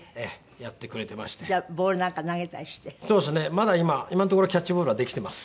まだ今今のところはキャッチボールはできてます。